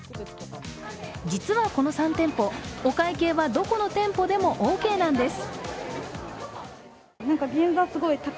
実はこの３店舗、お会計はどこの店舗でもオーケーなんです。